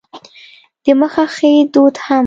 د مخه ښې دود هم و.